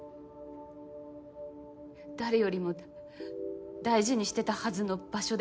誰よりも大事にしてたはずの場所で。